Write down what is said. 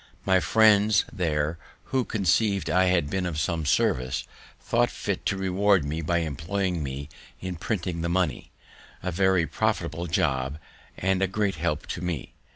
My friends there, who conceiv'd I had been of some service, thought fit to reward me by employing me in printing the money; a very profitable jobb and a great help to me.